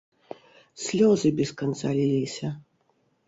Слёзы без канца ліліся.